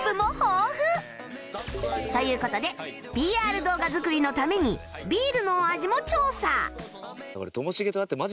という事で ＰＲ 動画作りのためにビールのお味も調査